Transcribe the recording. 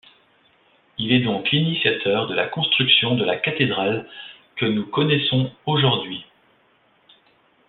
Il est donc l'initiateur de la construction de la cathédrale que nous connaissons aujourd'hui.